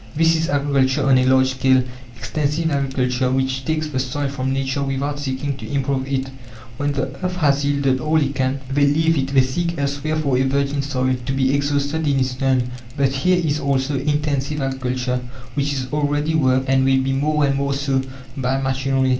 This is agriculture on a large scale extensive agriculture, which takes the soil from nature without seeking to improve it. When the earth has yielded all it can, they leave it; they seek elsewhere for a virgin soil, to be exhausted in its turn. But here is also "intensive" agriculture, which is already worked, and will be more and more so, by machinery.